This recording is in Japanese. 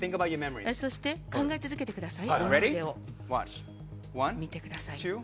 そして考え続けてください。